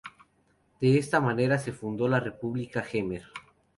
De esta manera se fundó la "República Jemer".